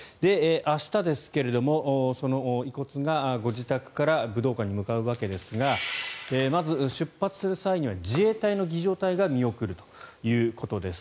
明日ですが、その遺骨がご自宅から武道館に向かうわけですがまず出発する際には自衛隊の儀仗隊が見送るということです。